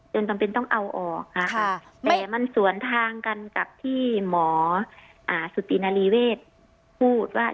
จำเป็นต้องเอาออกค่ะแต่มันสวนทางกันกับที่หมอสุตินารีเวศพูดว่า